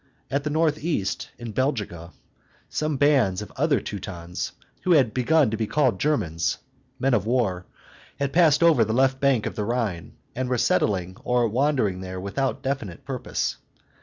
At the north east, in Belgica, some bands of other Teutons, who had begun to be called Germans (men of war), had passed over the left bank of the Rhine, and were settling or wandering there without definite purpose.